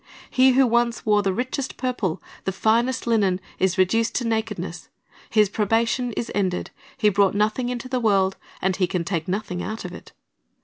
He who once wore the richest purple, the finest linen, is reduced to nakedness. His probation is ended. He brought nothing into the world, and he can take nothing out of it.